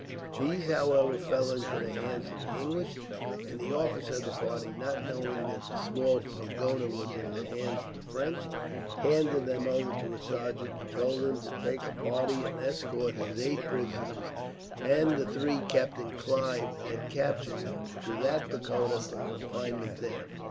These, however, fell into the hands of the English; and the officer of the party, not knowing that the Small Pagoda was in the hands of the French, handed them over to a sergeant, and told him to take a party and escort his eight prisoners, and the three Captain Clive had captured, to that pagoda for confinement there.